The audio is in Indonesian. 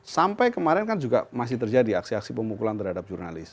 sampai kemarin kan juga masih terjadi aksi aksi pemukulan terhadap jurnalis